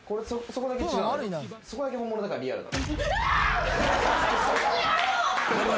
そこだけ本物だからリアルな。